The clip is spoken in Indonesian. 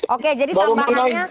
oke jadi tambangannya